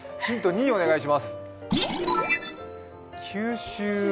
２お願いします。